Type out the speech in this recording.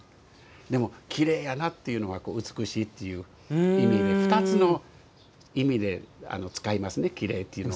でも、きれいやなというのは美しいという意味で２つの意味で使いますねきれいというのは。